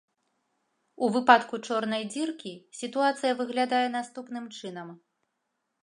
У выпадку чорнай дзіркі сітуацыя выглядае наступным чынам.